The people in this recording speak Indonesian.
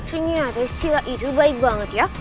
ternyata sila itu baik banget ya